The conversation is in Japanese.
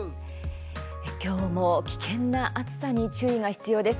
今日も危険な暑さに注意が必要です。